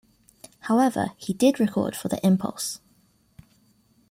However, he did record for the Impulse!